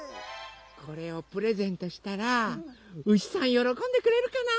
これをプレゼントしたらうしさんよろこんでくれるかな？